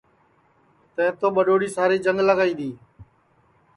تیں تو ٻڈؔوڑی ساری جنگ لگائی دؔی